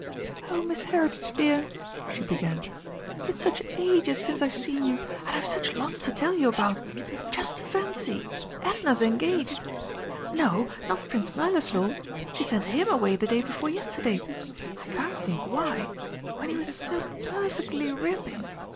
"Oh, Miss Heritage, dear," she began, "it's such ages since I've seen you, and I've such lots to tell you about. Just fancy! Edna's engaged!... No, not Prince Mirliflor! She sent him away the day before yesterday. I can't think why when he was so perfectly ripping.